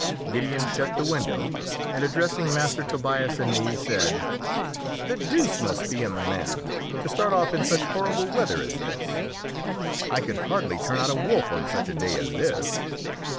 Gideon shut the window, and addressing Master Tobias and me, said "The deuce must be in the man to start off in such horrible weather as this. I could hardly turn out a wolf on such a day as this.